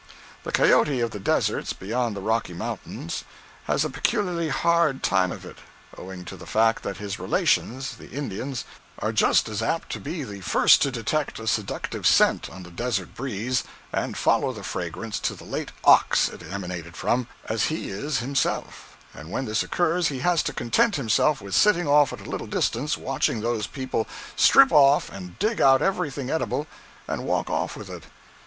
The cayote of the deserts beyond the Rocky Mountains has a peculiarly hard time of it, owing to the fact that his relations, the Indians, are just as apt to be the first to detect a seductive scent on the desert breeze, and follow the fragrance to the late ox it emanated from, as he is himself; and when this occurs he has to content himself with sitting off at a little distance watching those people strip off and dig out everything edible, and walk off with it.